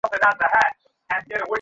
আর কালে এরূপই সংঘটিত হয়েছিল।